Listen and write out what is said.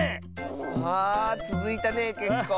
あつづいたねけっこう。